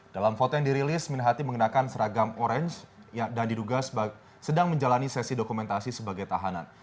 dalam foto yang dirilis min hati mengenakan seragam orange dan diduga sedang menjalani sesi dokumentasi sebagai tahanan